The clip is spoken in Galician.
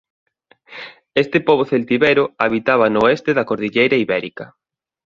Este pobo celtibero habitaba no oeste da Cordilleira Ibérica.